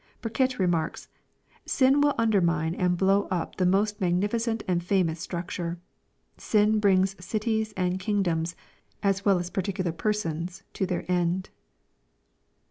Burkitt remarks, " Sin will undermine and blow up the most magnificent and famous structure. Sin brings cities and king^ doms, as well as particular persons, to their end."